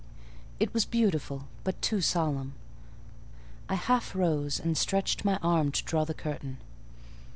It was beautiful, but too solemn: I half rose, and stretched my arm to draw the curtain.